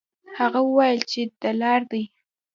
هغه وویل چې دلار دي.